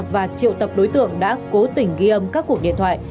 và triệu tập đối tượng đã cố tình ghi âm các cuộc điện thoại